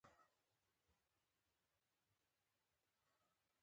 کاندیدوس ملګري ته د قرارګاه د تجهیز په اړه لیک واستاوه